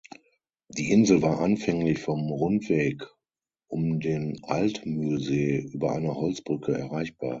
Die Insel war anfänglich vom Rundweg um den Altmühlsee über eine Holzbrücke erreichbar.